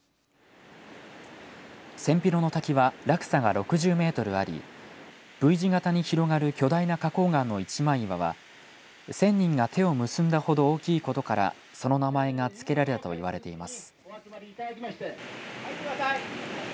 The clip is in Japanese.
千尋の滝は落差が６０メートルありＶ字型に広がる巨大な花こう岩の一枚岩は千人が手を結んだほど大きいことからその名前が付けられたといわれています。